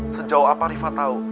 sejauh apa riva tahu